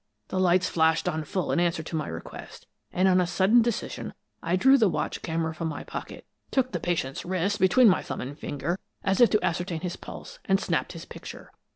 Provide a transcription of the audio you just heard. The lights flashed on full in answer to my request, and on a sudden decision I drew the watch camera from my pocket, took the patient's wrist between my thumb and finger as if to ascertain his pulse, and snapped his picture.